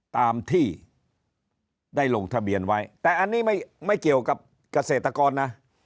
ตามที่ได้ลงทะเบียนไว้แต่อันนี้ไม่เกี่ยวกับเกษตรกรนะ